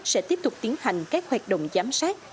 sẽ tiếp tục tiến hành các hoạt động giám sát